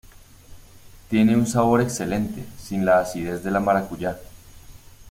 Tiene sabor excelente, sin la acidez de la maracuyá.